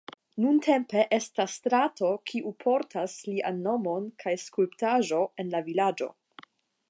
Nuntempe estas strato kiu portas lian nomon kaj skulptaĵo en la vilaĝo.